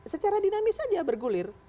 secara dinamis saja bergulir